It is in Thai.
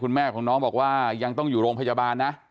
แม่ของน้องบอกว่ายังต้องอยู่โรงพยาบาลนะ